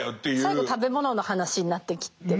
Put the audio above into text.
最後食べ物の話になってきてますしね。